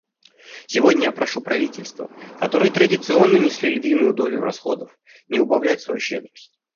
Сегодня я прошу правительства, которые традиционно несли львиную долю расходов, не убавлять свою щедрость.